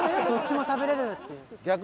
どっちも食べれるっていう。